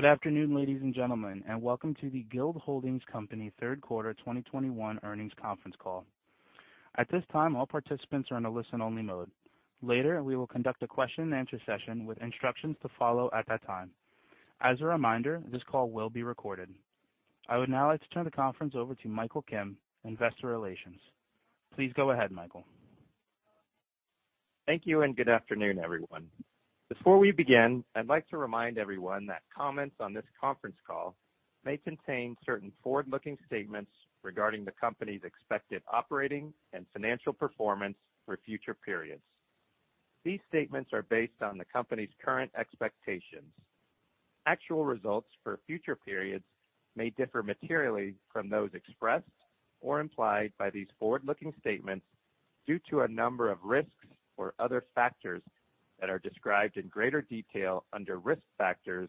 Good afternoon, ladies and gentlemen, and welcome to the Guild Holdings Company third quarter 2021 earnings conference call. At this time, all participants are in a listen-only mode. Later, we will conduct a question-and-answer session with instructions to follow at that time. As a reminder, this call will be recorded. I would now like to turn the conference over to Michael Kim, Investor Relations. Please go ahead, Michael. Thank you and good afternoon, everyone. Before we begin, I'd like to remind everyone that comments on this conference call may contain certain forward-looking statements regarding the company's expected operating and financial performance for future periods. These statements are based on the company's current expectations. Actual results for future periods may differ materially from those expressed or implied by these forward-looking statements due to a number of risks or other factors that are described in greater detail under Risk Factors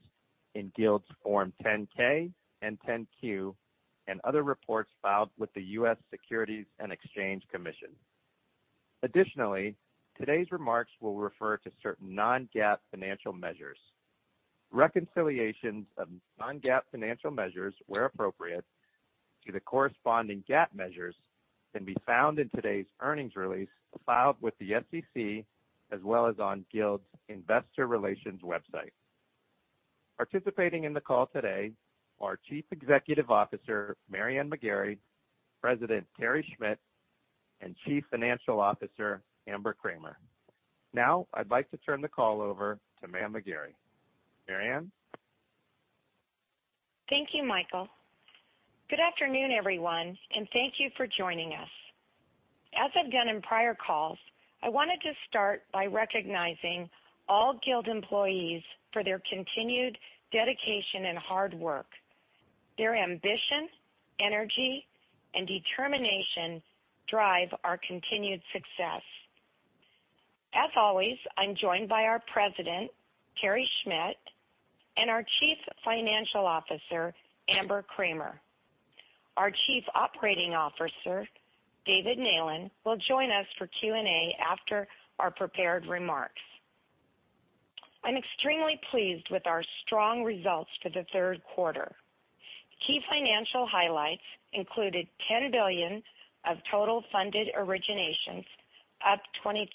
in Guild's Form 10-K and 10-Q and other reports filed with the U.S. Securities and Exchange Commission. Additionally, today's remarks will refer to certain non-GAAP financial measures. Reconciliations of non-GAAP financial measures, where appropriate, to the corresponding GAAP measures can be found in today's earnings release filed with the SEC, as well as on Guild's investor relations website. Participating in the call today are Chief Executive Officer Mary Ann McGarry, President Terry Schmidt, and Chief Financial Officer Amber Kramer. Now, I'd like to turn the call over to Mary Ann McGarry. Mary Ann? Thank you, Michael. Good afternoon, everyone, and thank you for joining us. As I've done in prior calls, I wanted to start by recognizing all Guild employees for their continued dedication and hard work. Their ambition, energy, and determination drive our continued success. As always, I'm joined by our President, Terry Schmidt, and our Chief Financial Officer, Amber Kramer. Our Chief Operating Officer, David Neylan, will join us for Q&A after our prepared remarks. I'm extremely pleased with our strong results for the third quarter. Key financial highlights included $10 billion of total funded originations, up 23%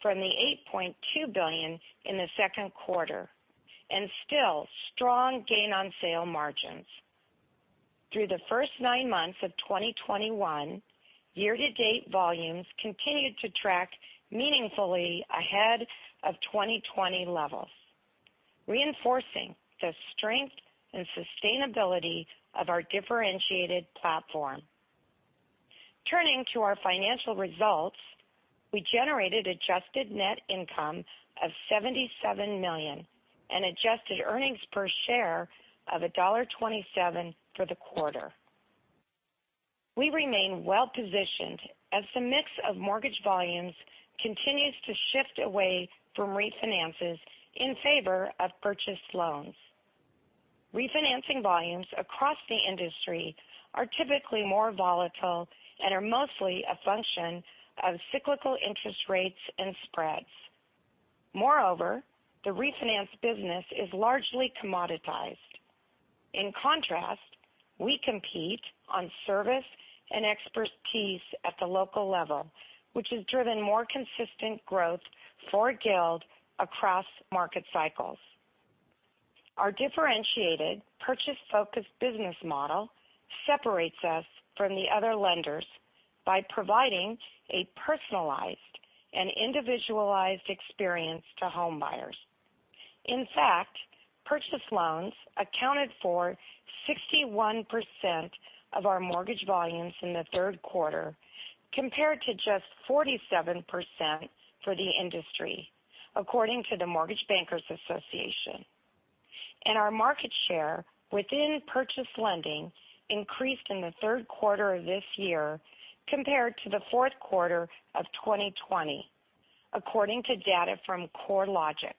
from the $8.2 billion in the second quarter, and still strong gain on sale margins. Through the first nine months of 2021, year-to-date volumes continued to track meaningfully ahead of 2020 levels, reinforcing the strength and sustainability of our differentiated platform. Turning to our financial results, we generated adjusted net income of $77 million and adjusted earnings per share of $1.27 for the quarter. We remain well-positioned as the mix of mortgage volumes continues to shift away from refinances in favor of purchased loans. Refinancing volumes across the industry are typically more volatile and are mostly a function of cyclical interest rates and spreads. Moreover, the refinance business is largely commoditized. In contrast, we compete on service and expertise at the local level, which has driven more consistent growth for Guild across market cycles. Our differentiated purchase-focused business model separates us from the other lenders by providing a personalized and individualized experience to home buyers. In fact, purchase loans accounted for 61% of our mortgage volumes in the third quarter, compared to just 47% for the industry, according to the Mortgage Bankers Association. Our market share within purchase lending increased in the third quarter of this year compared to the fourth quarter of 2020, according to data from CoreLogic.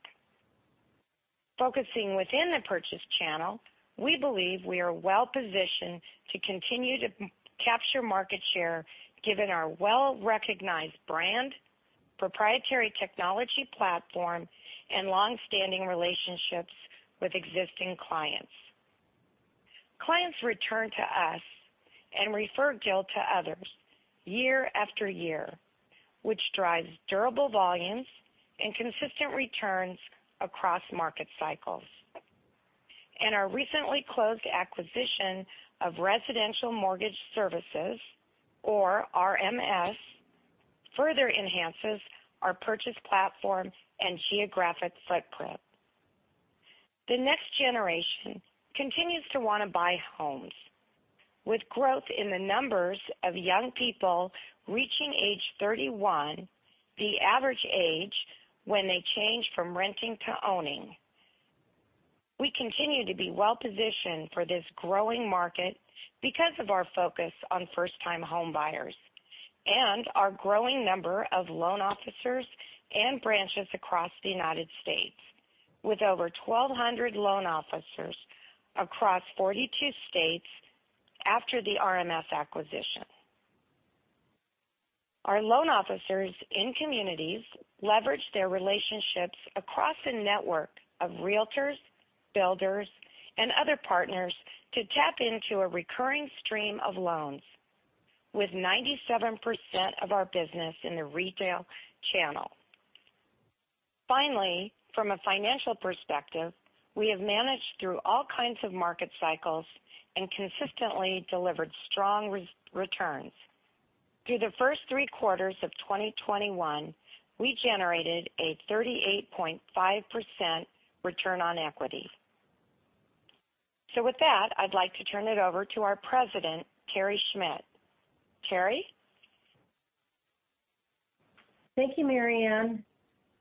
Focusing within the purchase channel, we believe we are well-positioned to continue to capture market share, given our well-recognized brand, proprietary technology platform, and long-standing relationships with existing clients. Clients return to us and refer Guild to others year after year, which drives durable volumes and consistent returns across market cycles. Our recently closed acquisition of Residential Mortgage Services, or RMS, further enhances our purchase platform and geographic footprint. The next generation continues to want to buy homes. With growth in the numbers of young people reaching age 31, the average age when they change from renting to owning, we continue to be well-positioned for this growing market because of our focus on first-time home buyers and our growing number of loan officers and branches across the United States with over 1,200 loan officers across 42 states after the RMS acquisition. Our loan officers in communities leverage their relationships across a network of realtors, builders, and other partners to tap into a recurring stream of loans, with 97% of our business in the retail channel. Finally, from a financial perspective, we have managed through all kinds of market cycles and consistently delivered strong returns. Through the first three quarters of 2021, we generated a 38.5% return on equity. With that, I'd like to turn it over to our President, Terry Schmidt. Terry? Thank you, Mary Ann.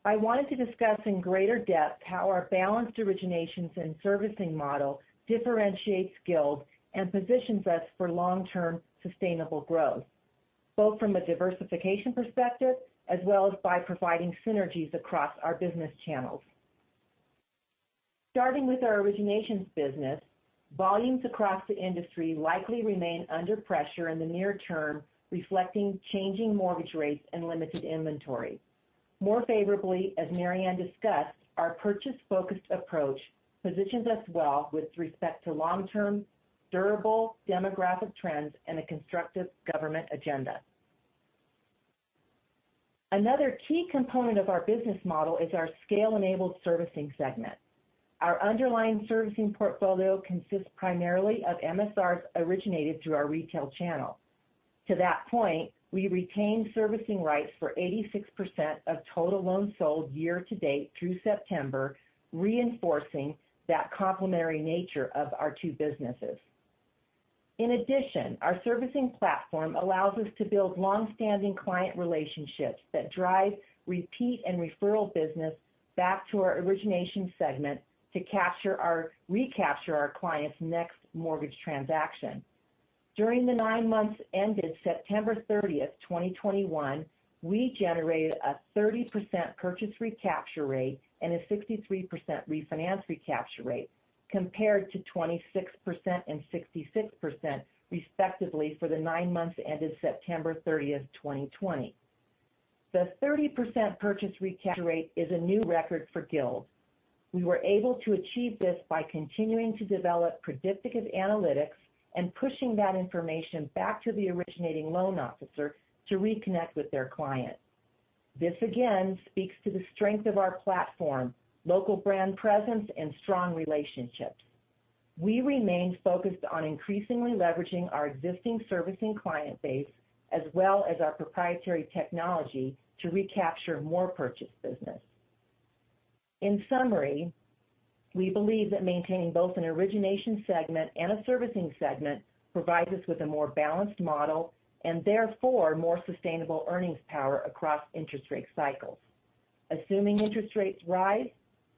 I wanted to discuss in greater depth how our balanced originations and servicing model differentiates Guild and positions us for long-term sustainable growth, both from a diversification perspective as well as by providing synergies across our business channels. Starting with our originations business, volumes across the industry likely remain under pressure in the near term, reflecting changing mortgage rates and limited inventory. More favorably, as Mary Ann discussed, our purchase-focused approach positions us well with respect to long-term, durable demographic trends and a constructive government agenda. Another key component of our business model is our scale-enabled servicing segment. Our underlying servicing portfolio consists primarily of MSRs originated through our retail channel. To that point, we retain servicing rights for 86% of total loans sold year to date through September, reinforcing that complementary nature of our two businesses. In addition, our servicing platform allows us to build long-standing client relationships that drive repeat and referral business back to our origination segment to recapture our clients' next mortgage transaction. During the nine months ended September 30, 2021, we generated a 30% purchase recapture rate and a 63% refinance recapture rate, compared to 26% and 66%, respectively, for the nine months ended September 30th, 2020. The 30% purchase recapture rate is a new record for Guild. We were able to achieve this by continuing to develop predictive analytics and pushing that information back to the originating loan officer to reconnect with their client. This again speaks to the strength of our platform, local brand presence and strong relationships. We remain focused on increasingly leveraging our existing servicing client base as well as our proprietary technology to recapture more purchase business. In summary, we believe that maintaining both an origination segment and a servicing segment provides us with a more balanced model and therefore more sustainable earnings power across interest rate cycles. Assuming interest rates rise,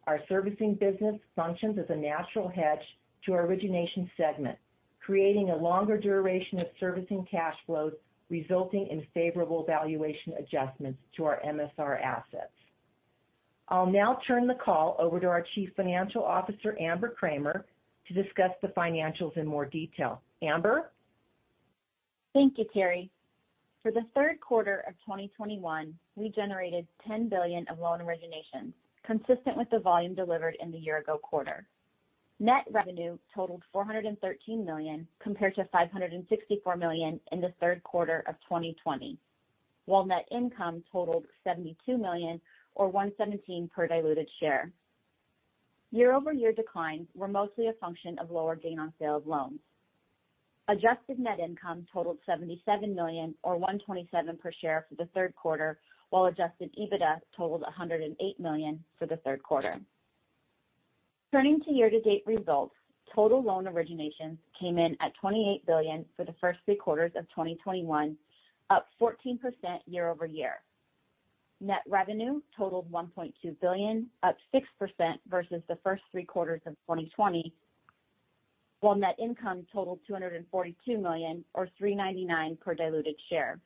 our servicing business functions as a natural hedge to our origination segment, creating a longer duration of servicing cash flows, resulting in favorable valuation adjustments to our MSR assets. I'll now turn the call over to our Chief Financial Officer, Amber Kramer, to discuss the financials in more detail. Amber? Thank you, Terry. For the third quarter of 2021, we generated $10 billion of loan originations, consistent with the volume delivered in the year-ago quarter. Net revenue totaled $413 million, compared to $564 million in the third quarter of 2020, while net income totaled $72 million or $1.17 per diluted share. Year-over-year declines were mostly a function of lower gain on sale of loans. Adjusted net income totaled $77 million or $1.27 per share for the third quarter, while adjusted EBITDA totaled $108 million for the third quarter. Turning to year-to-date results, total loan originations came in at $28 billion for the first three quarters of 2021, up 14% year-over-year. Net revenue totaled $1.2 billion, up 6% versus the first three quarters of 2020, while net income totaled $242 million or $3.99 per diluted share.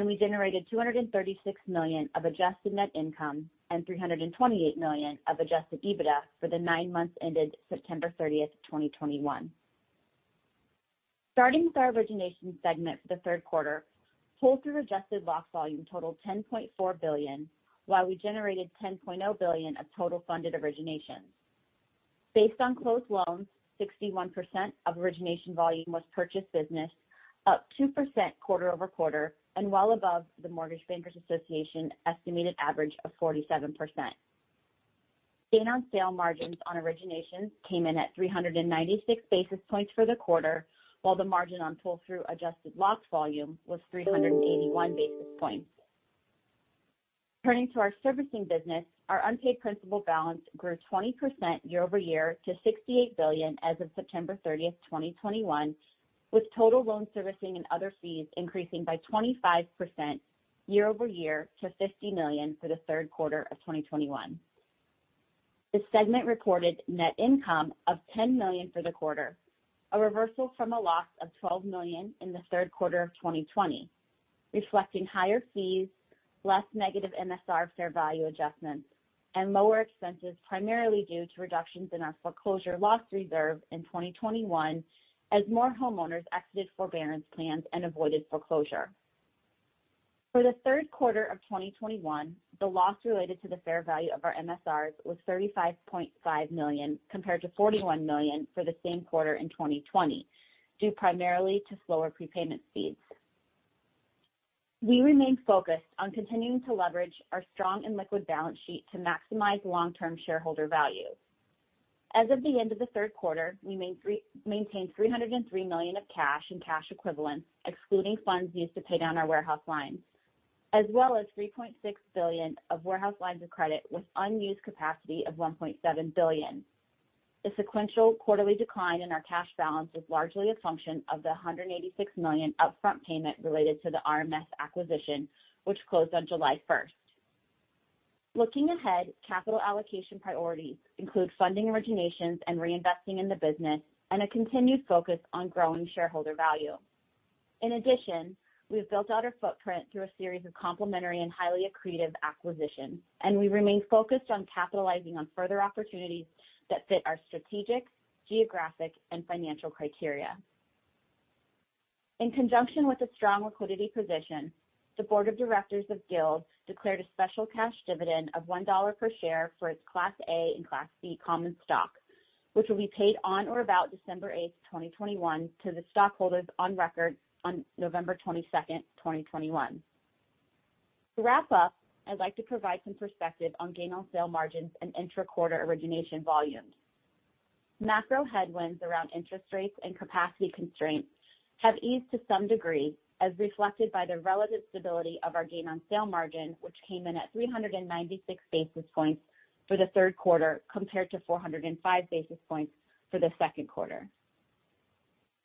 We generated $236 million of adjusted net income and $328 million of adjusted EBITDA for the nine months ended September 30, 2021. Starting with our origination segment for the third quarter, pull-through adjusted lock volume totaled $10.4 billion, while we generated $10.0 billion of total funded originations. Based on closed loans, 61% of origination volume was purchase business, up 2% quarter-over-quarter and well above the Mortgage Bankers Association estimated average of 47%. Gain on sale margins on originations came in at 396 basis points for the quarter, while the margin on pull-through adjusted lock volume was 381 basis points. Turning to our servicing business, our unpaid principal balance grew 20% year-over-year to $68 billion as of September 30th, 2021, with total loan servicing and other fees increasing by 25% year-over-year to $50 million for the third quarter of 2021. The segment recorded net income of $10 million for the quarter, a reversal from a loss of $12 million in the third quarter of 2020, reflecting higher fees, less negative MSR fair value adjustments and lower expenses primarily due to reductions in our foreclosure loss reserve in 2021 as more homeowners exited forbearance plans and avoided foreclosure. For the third quarter of 2021, the loss related to the fair value of our MSRs was $35.5 million compared to $41 million for the same quarter in 2020, due primarily to slower prepayment speeds. We remain focused on continuing to leverage our strong and liquid balance sheet to maximize long-term shareholder value. As of the end of the third quarter, we maintained $303 million of cash and cash equivalents, excluding funds used to pay down our warehouse lines, as well as $3.6 billion of warehouse lines of credit with unused capacity of $1.7 billion. The sequential quarterly decline in our cash balance was largely a function of the $186 million upfront payment related to the RMS acquisition, which closed on July 1st. Looking ahead, capital allocation priorities include funding originations and reinvesting in the business and a continued focus on growing shareholder value. In addition, we've built out our footprint through a series of complementary and highly accretive acquisitions, and we remain focused on capitalizing on further opportunities that fit our strategic, geographic, and financial criteria. In conjunction with a strong liquidity position, the board of directors of Guild declared a special cash dividend of $1 per share for its Class A and Class B common stock, which will be paid on or about December 8th, 2021, to the stockholders on record on November 22nd, 2021. To wrap up, I'd like to provide some perspective on gain on sale margins and intra-quarter origination volumes. Macro headwinds around interest rates and capacity constraints have eased to some degree, as reflected by the relative stability of our gain on sale margin, which came in at 396 basis points for the third quarter compared to 405 basis points for the second quarter.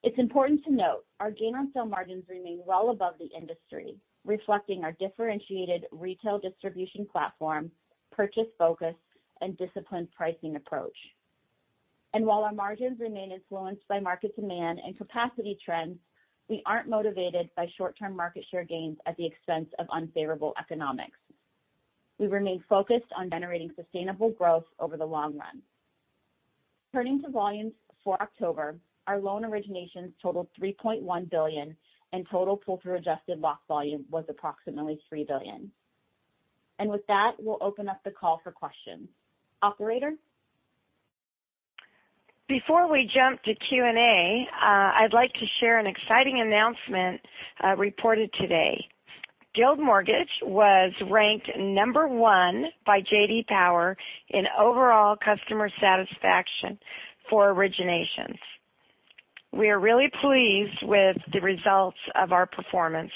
It's important to note our gain on sale margins remain well above the industry, reflecting our differentiated retail distribution platform, purchase focus, and disciplined pricing approach. While our margins remain influenced by market demand and capacity trends, we aren't motivated by short-term market share gains at the expense of unfavorable economics. We remain focused on generating sustainable growth over the long run. Turning to volumes for October, our loan originations totaled $3.1 billion, and total pull-through adjusted lock volume was approximately $3 billion. With that, we'll open up the call for questions. Operator? Before we jump to Q&A, I'd like to share an exciting announcement, reported today. Guild Mortgage was ranked number one by J.D. Power in overall customer satisfaction for originations. We are really pleased with the results of our performance.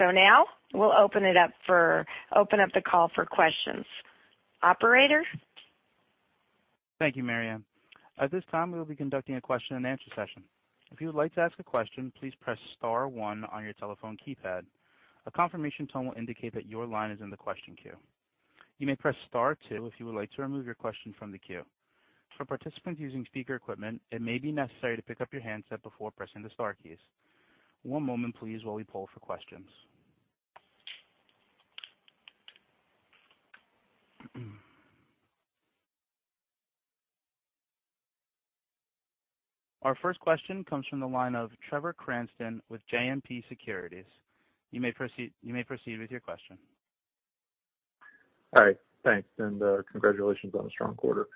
Now we'll open up the call for questions. Operator? Thank you, Mary Ann. At this time, we will be conducting a question-and-answer session. If you would like to ask a question, please press star one on your telephone keypad. A confirmation tone will indicate that your line is in the question queue. You may press star two if you would like to remove your question from the queue. For participants using speaker equipment, it may be necessary to pick up your handset before pressing the star keys. One moment, please, while we poll for questions. Our first question comes from the line of Trevor Cranston with JMP Securities. You may proceed with your question. All right. Thanks and congratulations on a strong quarter.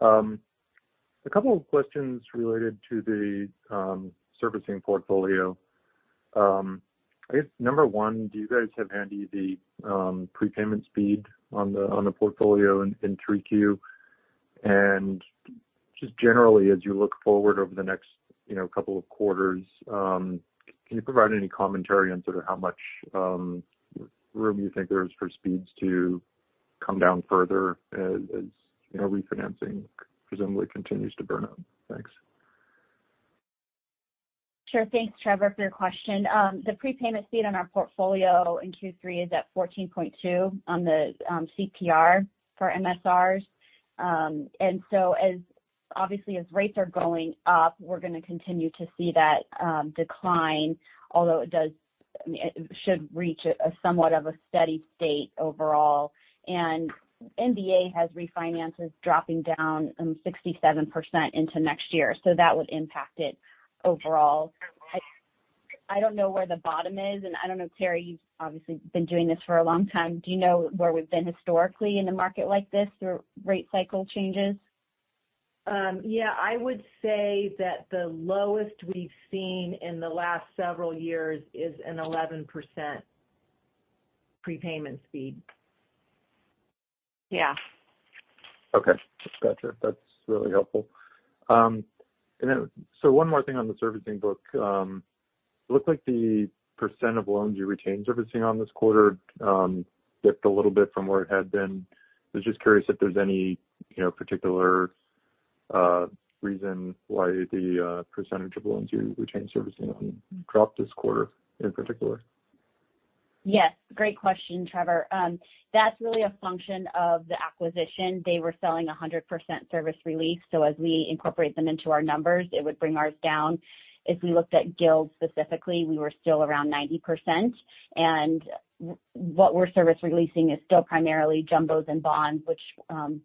A couple of questions related to the servicing portfolio. I guess number one, do you guys have handy the prepayment speed on the portfolio in 3Q? And just generally, as you look forward over the next, you know, couple of quarters, can you provide any commentary on sort of how much room you think there is for speeds to come down further as you know, refinancing presumably continues to burn out? Thanks. Sure. Thanks, Trevor, for your question. The prepayment speed on our portfolio in Q3 is at 14.2 on the CPR for MSRs. Obviously, as rates are going up, we're going to continue to see that decline, although I mean, it should reach a somewhat of a steady state overall. MBA has refinances dropping down 67% into next year, so that would impact it overall. I don't know where the bottom is, and I don't know if, Terry, you've obviously been doing this for a long time. Do you know where we've been historically in a market like this through rate cycle changes? Yeah. I would say that the lowest we've seen in the last several years is an 11% prepayment speed. Yeah. Okay. Gotcha. That's really helpful. One more thing on the servicing book. It looked like the percent of loans you retained servicing on this quarter dipped a little bit from where it had been. I was just curious if there's any, you know, particular reason why the percentage of loans you retained servicing on dropped this quarter in particular. Yes, great question, Trevor. That's really a function of the acquisition. They were selling 100% service release. As we incorporate them into our numbers, it would bring ours down. If we looked at Guild specifically, we were still around 90%. What we're service releasing is still primarily jumbos and bonds, which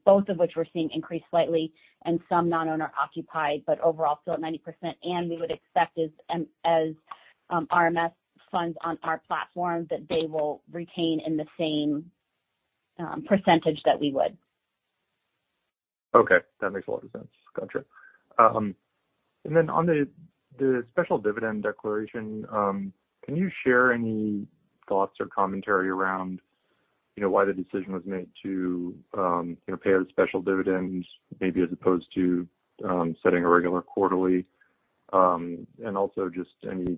both of which we're seeing increase slightly and some non-owner occupied, but overall still at 90%. We would expect as RMS funds on our platform that they will retain in the same percentage that we would. Okay, that makes a lot of sense. Got you. On the special dividend declaration, can you share any thoughts or commentary around, you know, why the decision was made to, you know, pay out a special dividend maybe as opposed to setting a regular quarterly? Just any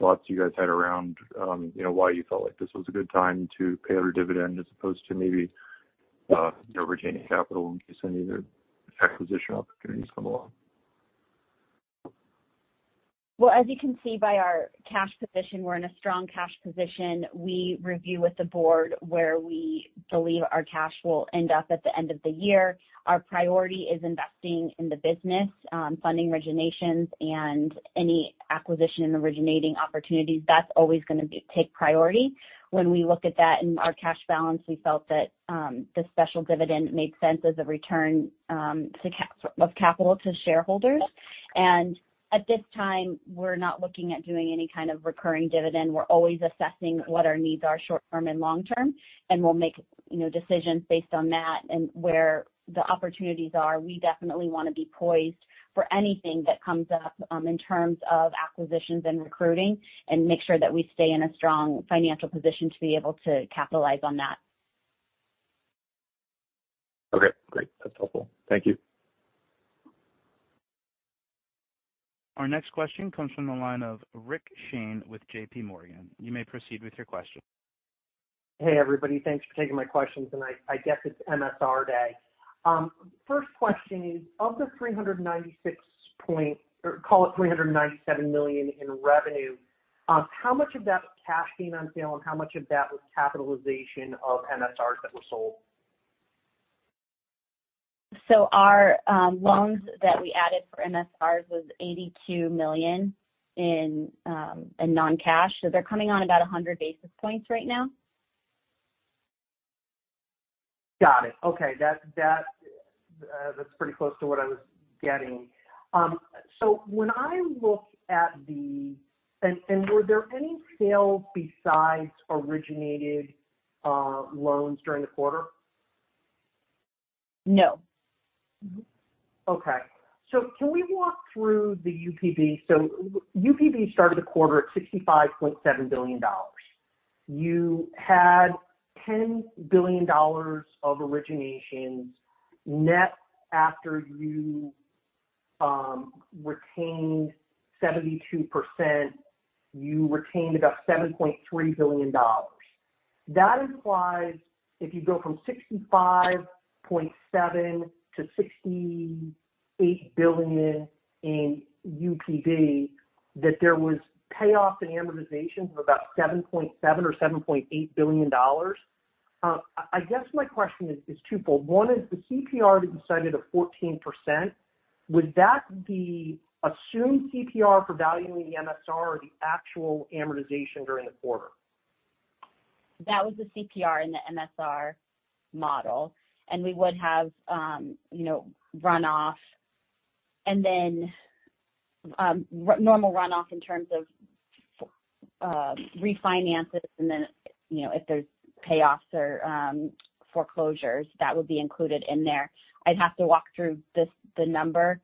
thoughts you guys had around, you know, why you felt like this was a good time to pay out a dividend as opposed to maybe, you know, retaining capital in case any other acquisition opportunities come along? Well, as you can see by our cash position, we're in a strong cash position. We review with the board where we believe our cash will end up at the end of the year. Our priority is investing in the business, funding originations and any acquisition and originating opportunities. That's always gonna take priority. When we look at that in our cash balance, we felt that the special dividend made sense as a return of capital to shareholders. At this time, we're not looking at doing any kind of recurring dividend. We're always assessing what our needs are short term and long term, and we'll make, you know, decisions based on that and where the opportunities are. We definitely wanna be poised for anything that comes up, in terms of acquisitions and recruiting and make sure that we stay in a strong financial position to be able to capitalize on that. Okay, great. That's helpful. Thank you. Our next question comes from the line of Rick Shane with JPMorgan. You may proceed with your question. Hey, everybody. Thanks for taking my questions. I guess it's MSR Day. First question is, of the $397 million in revenue, how much of that was cash gain on sale, and how much of that was capitalization of MSRs that were sold? Our loans that we added for MSRs was $82 million in non-cash. They're coming on about 100 basis points right now. Got it. Okay. That's pretty close to what I was getting. So when I look at the, were there any sales besides originated loans during the quarter? No. Okay. Can we walk through the UPB? UPB started the quarter at $65.7 billion. You had $10 billion of originations. Net after you retained 72%, you retained about $7.3 billion. That implies if you go from 65.7 to $68 billion in UPB, that there was payoffs and amortization of about $7.7 billion or $7.8 billion. I guess my question is twofold. One is the CPR that you cited of 14%, would that be assumed CPR for valuing the MSR or the actual amortization during the quarter? That was the CPR in the MSR model, and we would have, you know, runoff and then normal runoff in terms of refinances. You know, if there's payoffs or foreclosures, that would be included in there. I'd have to walk through this, the number.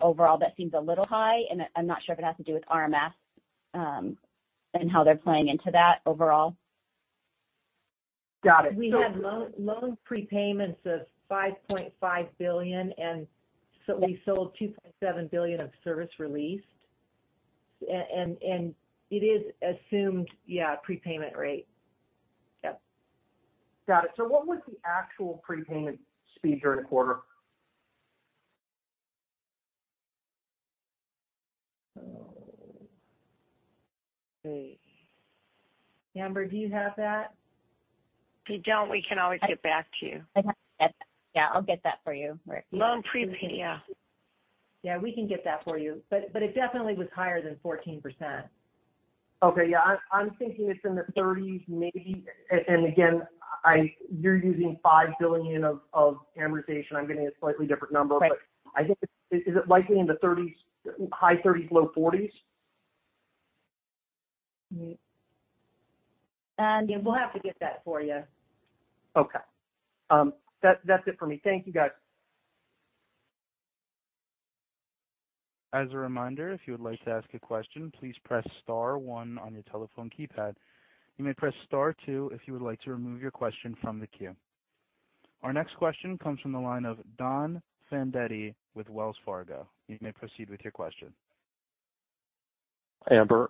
Overall, that seems a little high, and I'm not sure if it has to do with RMS and how they're playing into that overall. Got it. We had loan prepayments of $5.5 billion, and so we sold $2.7 billion of service released and it is assumed, yeah, prepayment rate. Yep. Got it. What was the actual prepayment speed during the quarter? Let's see. Amber, do you have that? If you don't, we can always get back to you. I have to get that. Yeah, I'll get that for you, Rick. Loan prepay, yeah. Yeah, we can get that for you. It definitely was higher than 14%. Okay. Yeah. I'm thinking it's in the thirties maybe. Again, you're using $5 billion of amortization. I'm getting a slightly different number. Right. I think is it likely in the 30s, high thirties, low forties? We'll have to get that for you. Okay. That's it for me. Thank you, guys. As a reminder, if you would like to ask a question, please press star one on your telephone keypad. You may press star two if you would like to remove your question from the queue. Our next question comes from the line of Don Fandetti with Wells Fargo. You may proceed with your question. Amber,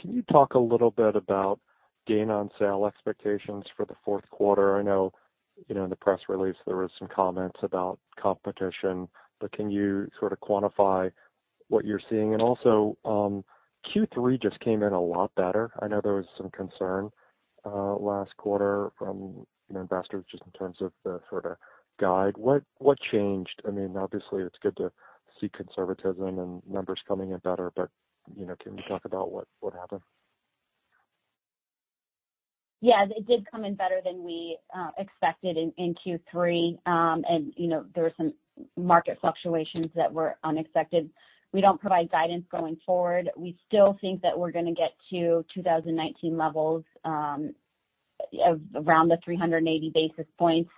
can you talk a little bit about gain on sale expectations for the fourth quarter? I know. You know, in the press release, there was some comments about competition, but can you sort of quantify what you're seeing? Q3 just came in a lot better. I know there was some concern last quarter from investors just in terms of the sort of guide. What changed? I mean, obviously, it's good to see conservatism and numbers coming in better, but you know, can you talk about what happened? Yeah. It did come in better than we expected in Q3. You know, there were some market fluctuations that were unexpected. We don't provide guidance going forward. We still think that we're gonna get to 2019 levels of around the 380 basis points.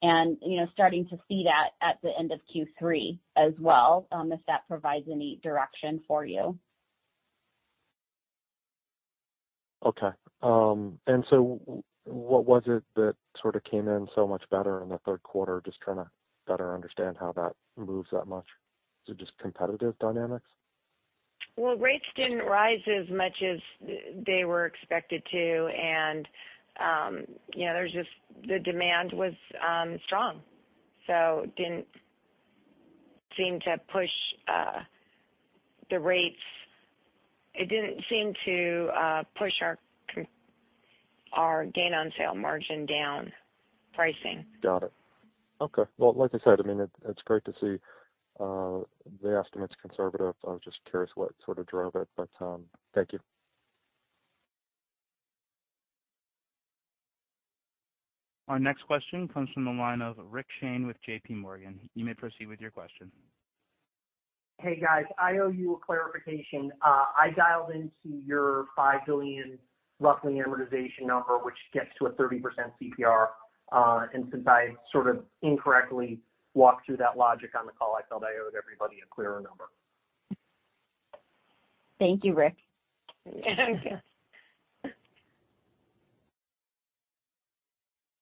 You know, starting to see that at the end of Q3 as well, if that provides any direction for you. Okay. What was it that sort of came in so much better in the third quarter? Just trying to better understand how that moves that much. Is it just competitive dynamics? Well, rates didn't rise as much as they were expected to. You know, there's just the demand was strong. Didn't seem to push the rates. It didn't seem to push our gain on sale margin down pricing. Got it. Okay. Well, like I said, I mean, it's great to see the estimates conservative. I was just curious what sort of drove it, but thank you. Our next question comes from the line of Rick Shane with JPMorgan. You may proceed with your question. Hey, guys. I owe you a clarification. I dialed into your $5 billion roughly amortization number, which gets to a 30% CPR. Since I sort of incorrectly walked through that logic on the call, I felt I owed everybody a clearer number. Thank you, Rick.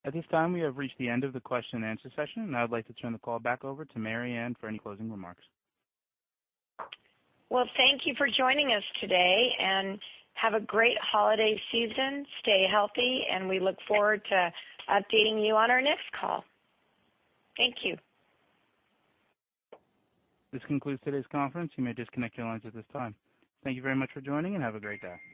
At this time, we have reached the end of the question and answer session, and I would like to turn the call back over to Mary Ann for any closing remarks. Well, thank you for joining us today, and have a great holiday season. Stay healthy, and we look forward to updating you on our next call. Thank you. This concludes today's conference. You may disconnect your lines at this time. Thank you very much for joining, and have a great day.